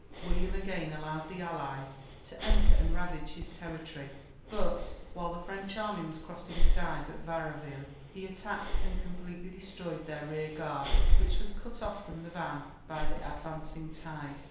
William again allowed the allies to enter and ravage his territory; but, while the French army was crossing the Dive at Varaville, he attacked and completely destroyed their rear guard, which was cut off from the van by the advancing tide.